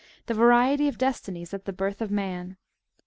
THEVAEIETT OF DESTINIES AT THE BIB, TH OF MAN.